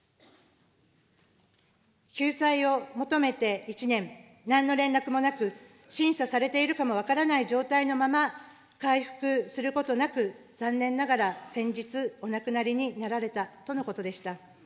救済を求めて１年、なんの連絡もなく、審査されているかも分からない状態のまま、回復することなく、残念ながら先日、お亡くなりになられたとのことでした。